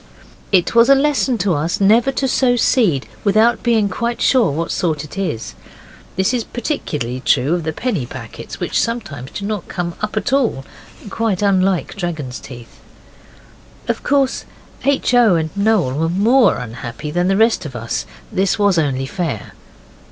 It was a lesson to us never to sow seed without being quite sure what sort it is. This is particularly true of the penny packets, which sometimes do not come up at all, quite unlike dragon's teeth. Of course H. O. and Noel were more unhappy than the rest of us. This was only fair.